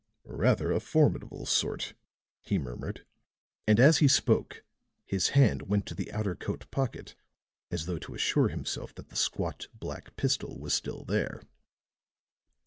"Rather a formidable sort," he murmured, and as he spoke his hand went to his outer coat pocket as though to assure himself that the squat, black pistol was still there.